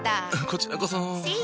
こちらこそ。